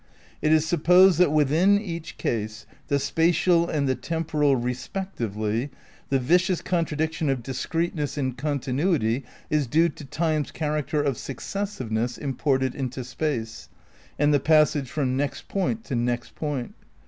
It is supposed that within each case, the spatial and the temporal respectively, the vicious contradiction of dis creteness in continuity is due to time's character of successiveness imported into space, and the passage from next point to next point.